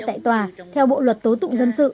tại tòa theo bộ luật tố tụng dân sự